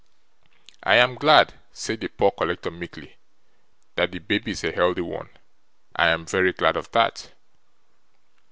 'I am glad,' said the poor collector meekly, 'that the baby is a healthy one. I am very glad of that.